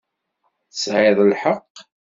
Tesɛiḍ lḥeqq.